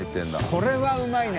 これはうまいな。